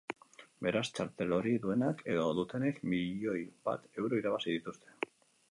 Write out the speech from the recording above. Beraz, txartel hori duenak edo dutenek milioi bat euro irabazi dituzte.